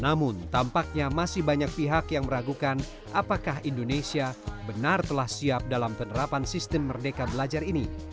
namun tampaknya masih banyak pihak yang meragukan apakah indonesia benar telah siap dalam penerapan sistem merdeka belajar ini